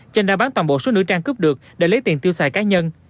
chanh đã bán toàn bộ số nữ trang cướp được để lấy tiền tiêu xài cá nhân